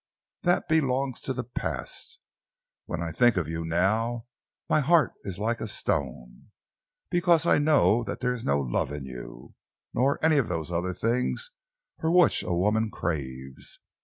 That belongs to the past. When I think of you now, my heart is like a stone, because I know that there is no love in you, nor any of those other things for which a woman craves.